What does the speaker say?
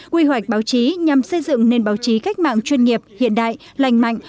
quy hoạch báo chí nhằm xây dựng nền báo chí cách mạng chuyên nghiệp hiện đại lành mạnh